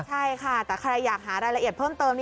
ใช่ค่ะแต่ใครอยากหารายละเอียดเพิ่มเติม